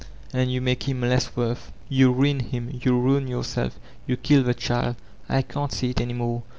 And you make him less worth. Yoa ruin him, you ruin yourself, you kill the child. I can't see it any more.